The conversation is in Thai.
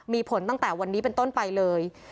มีผลตั้งแต่วันนี้เป็นต้นไปเลย